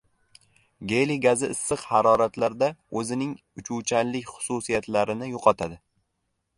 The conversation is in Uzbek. Geliy gazi issiq haroratlarda oʼzining uchuvchanlik xususiyatlarini yoʼqotadi.